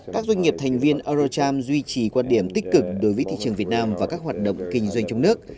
các doanh nghiệp thành viên eurocharm duy trì quan điểm tích cực đối với thị trường việt nam và các hoạt động kinh doanh trong nước